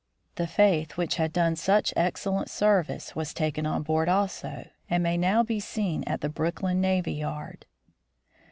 The Faith, which had done such excellent service, was taken on board also, and may now be seen at the Brooklyn navy yard.